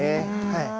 はい。